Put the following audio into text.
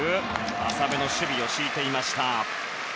浅めの守備を敷いていました。